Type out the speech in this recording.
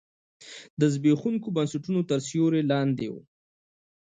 دا د زبېښونکو بنسټونو تر سیوري لاندې و.